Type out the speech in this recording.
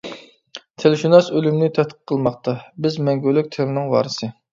تىلشۇناس ئۆلۈمنى تەتقىق قىلماقتا، بىز مەڭگۈلۈك تىلنىڭ ۋارىسى.